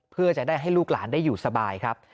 เพื่อจะได้ให้ลูกหลานได้อยู่สบายครับ